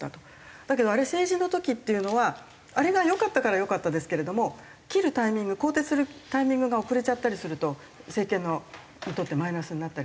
だけどあれ政治の時っていうのはあれが良かったからよかったですけれども切るタイミング更迭するタイミングが遅れちゃったりすると政権にとってマイナスになったりする。